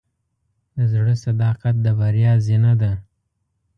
د زړۀ صداقت د بریا زینه ده.